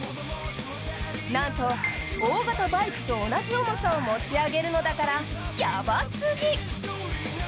なんと大型バイクと同じ重さを持ち上げるのだから、ヤバすぎ！